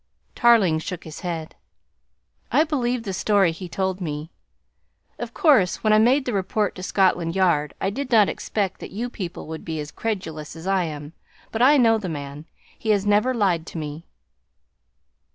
Tarling shook his head. "I believe the story he told me. Of course, when I made the report to Scotland Yard I did not expect that you people would be as credulous as I am, but I know the man. He has never lied to me."